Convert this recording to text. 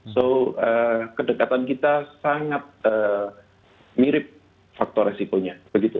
jadi kedekatan kita sangat mirip faktor risikonya